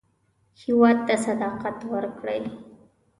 هېواد ته صداقت ورکړئ